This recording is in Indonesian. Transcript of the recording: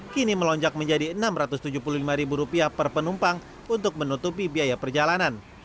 kini melonjak menjadi rp enam ratus tujuh puluh lima per penumpang untuk menutupi biaya perjalanan